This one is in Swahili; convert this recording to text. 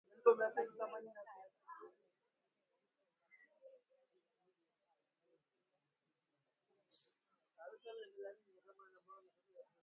Lakini mwaka elfu mbili na ishirini Rais wa zamani wa Marekani Donald Trump aliamuru kiasi cha wanajeshi mia saba hamsini wa Marekani